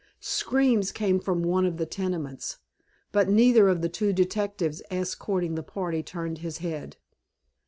Screams came from one of the tenements, but neither of the two detectives escorting the party turned his head.